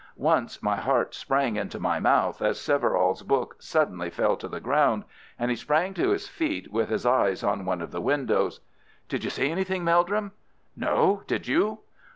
Once my heart sprang into my mouth as Severall's book suddenly fell to the ground and he sprang to his feet with his eyes on one of the windows. "Did you see anything, Meldrum?" "No. Did you?"